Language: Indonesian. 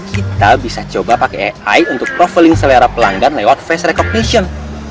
kita bisa coba pakai ai untuk profiling selera pelanggan lewat face recognition